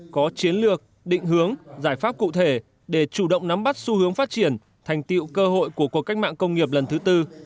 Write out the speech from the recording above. có chiến lược định hướng giải pháp cụ thể để chủ động nắm bắt xu hướng phát triển thành tiệu cơ hội của cuộc cách mạng công nghiệp lần thứ tư